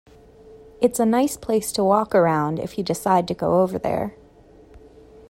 It's a nice place to walk around if you decide to go over there.